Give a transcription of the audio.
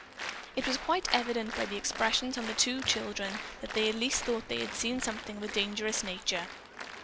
But it was quite evident by the expressions of the two children that they at least thought they had seen something of a dangerous nature.